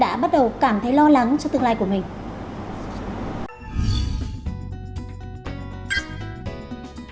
đã bắt đầu cảm thấy lo lắng cho tương lai của mình